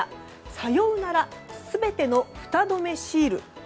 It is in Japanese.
「さようなら、全てのフタ止めシール。」